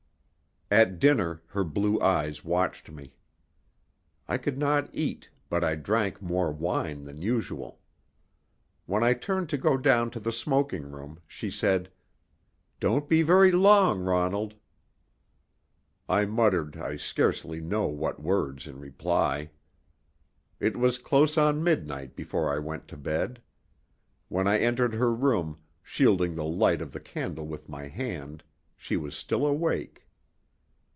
At dinner her blue eyes watched me. I could not eat, but I drank more wine than usual. When I turned to go down to the smoking room, she said: "Don't be very long, Ronald." I muttered I scarcely know what words in reply. It was close on midnight before I went to bed. When I entered her room, shielding the light of the candle with my hand, she was still awake.